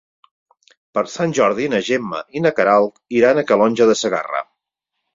Per Sant Jordi na Gemma i na Queralt iran a Calonge de Segarra.